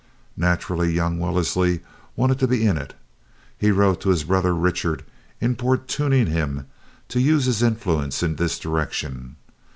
Naturally, young Wellesley wanted to be in it. He wrote to his brother Richard importuning him to use his influence in this direction.